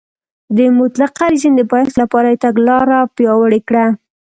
د مطلقه رژیم د پایښت لپاره یې تګلاره پیاوړې کړه.